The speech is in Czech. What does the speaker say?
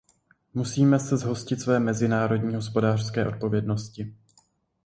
Musíme se zhostit své mezinárodní hospodářské odpovědnosti.